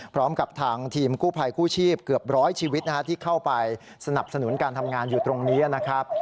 พร้อมกับทางทีมกู้ภัยกู้ชีพเกือบร้อยชีวิตที่เข้าไปสนับสนุนการทำงานอยู่ตรงนี้นะครับ